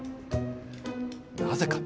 なぜか。